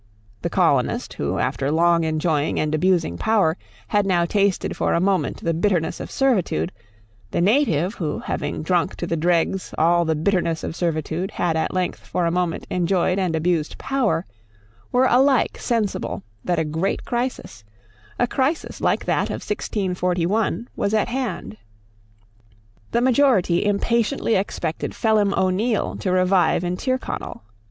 The colonist, who, after long enjoying and abusing power, had now tasted for a moment the bitterness of servitude, the native, who, having drunk to the dregs all the bitterness of servitude, had at length for a moment enjoyed and abused power, were alike sensible that a great crisis, a crisis like that of 1641, was at hand. The majority impatiently expected Phelim O'Neil to revive in Tyrconnel.